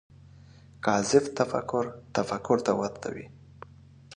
کاذب تفکر تفکر ته ورته وي